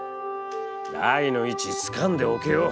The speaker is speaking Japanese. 台の位置つかんでおけよ。